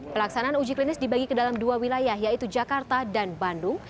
pelaksanaan uji klinis dibagi ke dalam dua wilayah yaitu jakarta dan bandung